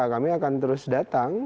kami akan terus datang